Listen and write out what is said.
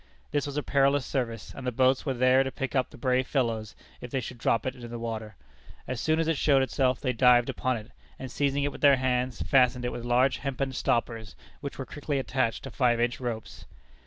This was a perilous service, and the boats were there to pick up the brave fellows, if they should drop into the water. As soon as it showed itself, they dived upon it, and seizing it with their hands, fastened it with large hempen stoppers, which were quickly attached to five inch ropes.